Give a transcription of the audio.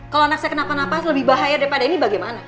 kalau anak saya kenapa napas lebih bahaya daripada ini bagaimana